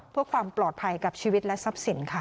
เพื่อความปลอดภัยกับชีวิตและทรัพย์สินค่ะ